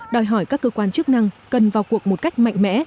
đòi hỏi các cơ quan chức năng cần vào cuộc một cách mạnh mẽ